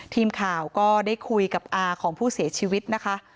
ทีมข่าวก็ได้คุยกับอาของผู้เสียชีวิตนะคะ